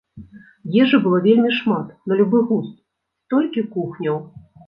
Ежы было вельмі шмат, на любы густ, столькі кухняў!